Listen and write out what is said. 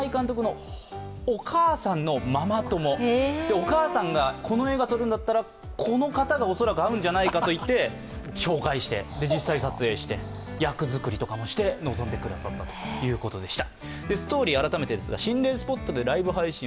お母さんが、この映画撮るんだったら、この方が恐らく合うんじゃないかと言って紹介して実際、撮影して、役作りとかもして臨んでくださったということでした。